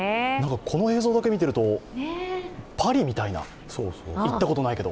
この映像だけ見てると、パリみたいな、行ったことないけど。